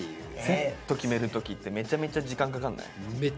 セット決める時ってめちゃめちゃ時間かかんない？